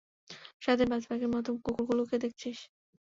সারাদিন বাজপাখির মতো কুকুরগুলোকে দেখছিস।